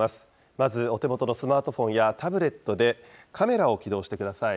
まずお手元のスマートフォンやタブレットで、カメラを起動してください。